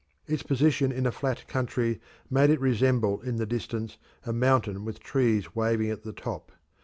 Its position in a flat country made it resemble in the distance a mountain with trees waving at the top.